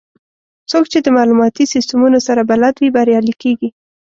څوک چې د معلوماتي سیستمونو سره بلد وي، بریالي کېږي.